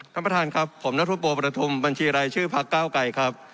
ท่านประธานครับผมนัทธุโบประทุมบัญชีรายชื่อพักเก้าไกรครับ